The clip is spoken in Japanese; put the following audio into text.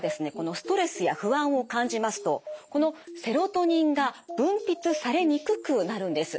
ストレスや不安を感じますとこのセロトニンが分泌されにくくなるんです。